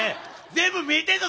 全部見えてんぞ！